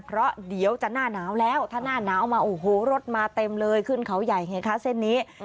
เพราะเดี๋ยวจะหน้าหนาวแล้วถ้าหน้าหนาวมาโอ้โหรถมาเต็มเลยขึ้นเขาใหญ่ไงคะเส้นนี้